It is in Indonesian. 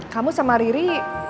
kamu sama riri